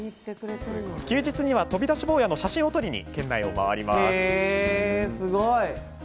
休日には、飛び出し坊やの写真を撮りに、県内を回ります。